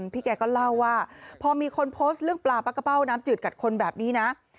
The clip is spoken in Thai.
พี่แกก็เล่าว่าพอมีคนโพสต์เรื่องปลาปลากระเป้าน้ำจืดกัดคนแบบนี้นะ